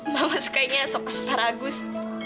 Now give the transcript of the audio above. mama sukainya sup asparagus